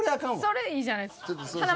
それいいじゃないですか。